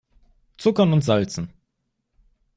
Zuckern und Salzen!